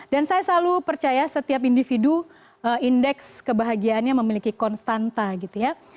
dan saya selalu percaya setiap individu indeks kebahagiaannya memiliki konstanta